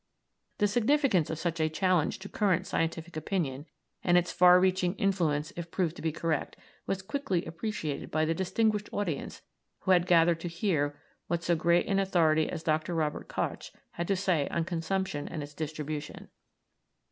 The significance of such a challenge to current scientific opinion, and its far reaching influence if proved to be correct, was quickly appreciated by the distinguished audience who had gathered to hear what so great an authority as Dr. Robert Koch had to say on consumption and its distribution.